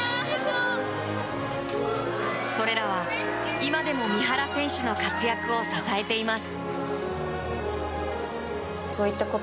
それらは今でも三原選手の活躍を支えています。